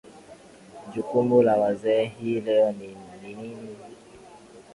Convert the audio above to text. jukumu la wazee hii leo ni nini